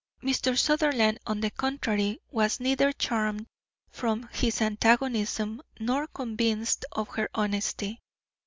Mr. Sutherland, on the contrary, was neither charmed from his antagonism nor convinced of her honesty.